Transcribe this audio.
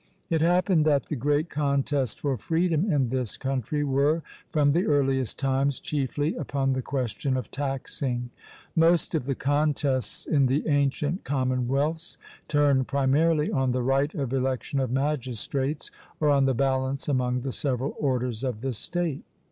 It happened that the great contests for freedom in this country were from the earliest times chiefly upon the question of taxing. Most of the contests in the ancient commonwealths turned primarily on the right of election of magistrates, or on the balance among the several orders of the state.